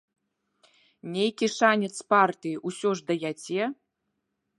Нейкі шанец партыі ўсё ж даяце?